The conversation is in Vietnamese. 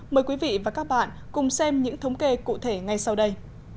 mời quý vị và các bạn cùng xem những thống kê cụ thể ngay sau đây